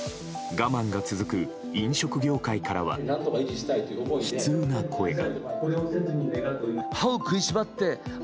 我慢が続く飲食業界からは悲痛な声が。